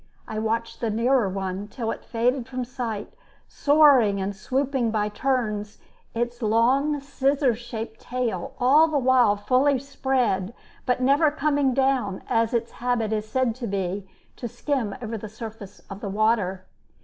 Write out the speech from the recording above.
I watched the nearer one till it faded from sight, soaring and swooping by turns, its long, scissors shaped tail all the while fully spread, but never coming down, as its habit is said to be, to skim over the surface of the water.